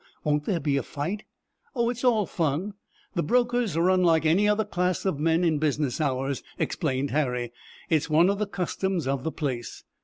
Won't there be a fight?" "Oh, it's all fun. The brokers are unlike any other class of men in business hours," explained Harry. "It's one of the customs of the place."